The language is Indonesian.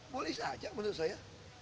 boleh saja menurut saya